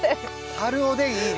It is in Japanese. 春おでんいいね。